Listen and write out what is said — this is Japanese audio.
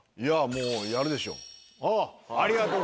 もうやるでしょ。